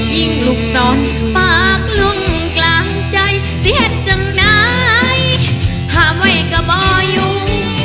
อัมเทพยิ่งลูกศรปากลุ้งกลางใจเสียจังไหนพาไว้กับบ่อยู่